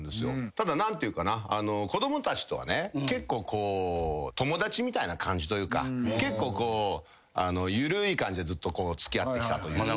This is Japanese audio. ただ何ていうかな子供たちとはね結構友達みたいな感じというか結構緩い感じでずっと付き合ってきたというか。